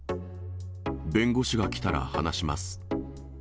弁護士が来たら話します。